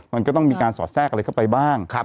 มันก็ต้องมีการสอดแทรกอะไรเข้าไปบ้าง